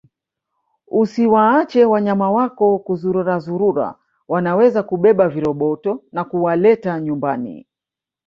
Usiwaache wanyama wako kuzururazurura wanaweza kubeba viroboto na kuwaleta nyumbani